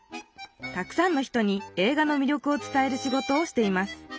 たくさんの人に映画の魅力を伝える仕事をしています。